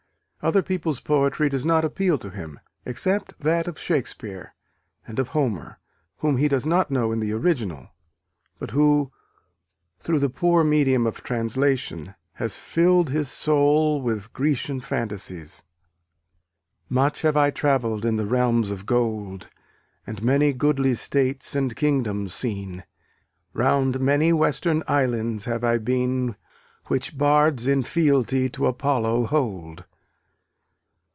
Other people's poetry does not appeal to him, except that of Shakespeare, and of Homer whom he does not know in the original, but who, through the poor medium of translation, has filled his soul with Grecian fantasies. Much have I travell'd in the realms of gold, And many goodly states and kingdoms seen; Round many western islands have I been Which bards in fealty to Apollo hold.